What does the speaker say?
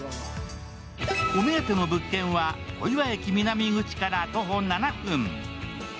お目当ての物件は、小岩駅南口から徒歩７分。